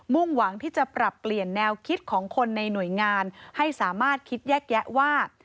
่งหวังที่จะปรับเปลี่ยนแนวคิดของคนในหน่วยงานให้สามารถคิดแยกแยะว่า